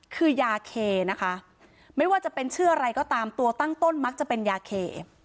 คือยาเคนะคะไม่ว่าจะเป็นชื่ออะไรก็ตามตัวตั้งต้นมักจะเป็นยาเค